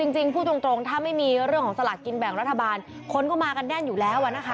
จริงพูดตรงถ้าไม่มีเรื่องของสลากกินแบ่งรัฐบาลคนก็มากันแน่นอยู่แล้วนะคะ